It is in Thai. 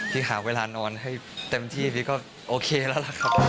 ที่หาเวลานอนให้เต็มที่พี่ก็โอเคแล้วล่ะครับ